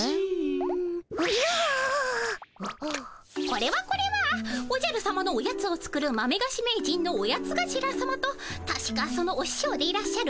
これはこれはおじゃるさまのオヤツを作る豆がし名人のオヤツがしらさまとたしかそのおししょうでいらっしゃる